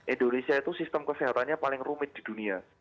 indonesia itu sistem kesehatannya paling rumit di dunia